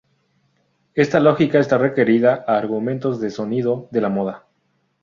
Esta lógica está requerida a argumentos de sonido de la moda.